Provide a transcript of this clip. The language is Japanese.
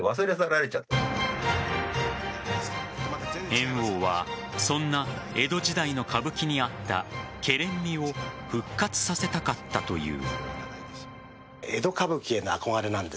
猿翁はそんな江戸時代の歌舞伎にあったけれん味を復活させたかったという。